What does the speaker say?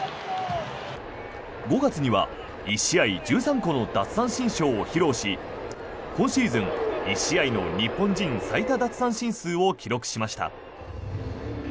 ５月には１試合１３個の奪三振ショーを披露し今シーズン１試合の日本人最多奪三振数を記録しました。